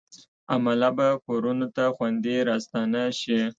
عمله به کورونو ته خوندي راستانه شي.